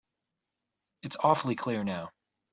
It's awfully clear now.